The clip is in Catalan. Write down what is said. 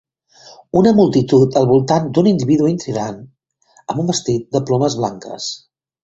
Una multitud al voltant d'un individu intrigant amb un vestit de plomes blanques.